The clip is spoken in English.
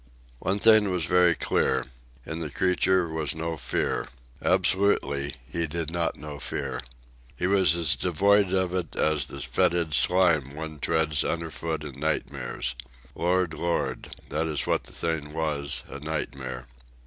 One thing was very clear. In the creature was no fear. Absolutely, he did not know fear. He was as devoid of it as the fetid slime one treads underfoot in nightmares. Lord, Lord! that is what the thing was, a nightmare.